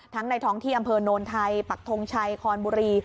ในท้องที่อำเภอโนนไทยปักทงชัยคอนบุรี